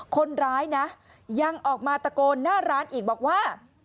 คนร้ายนะยังออกมาตะโกนหน้าร้านอีกบอกว่า